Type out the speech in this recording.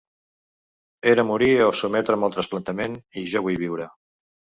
Era morir o sotmetre’m al trasplantament i jo vull viure.